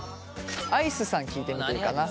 アイスさん聞いてみていいかな？